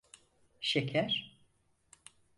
Şeker?